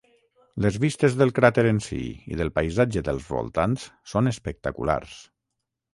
Les vistes del cràter en si i del paisatge dels voltants són espectaculars.